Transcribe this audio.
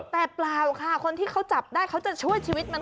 แต่เปล่าค่ะคนที่เขาจับได้เขาจะช่วยชีวิตมัน